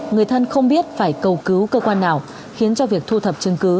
người thân không biết phải cầu cứu cơ quan nào khiến cho việc thu thập chứng cứ